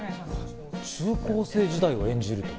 中高生時代を演じると。